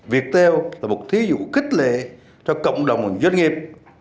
việt theo là một thí dụ kích lệ cho cộng đồng doanh nghiệp